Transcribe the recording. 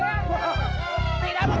itu cabu karang